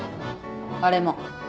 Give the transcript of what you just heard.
あれも。